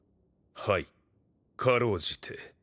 はい辛うじて。